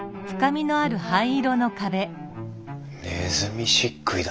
ねずみ漆喰だ。